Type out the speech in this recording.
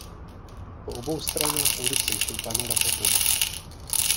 Po obou stranách ulice jsou panelové domy.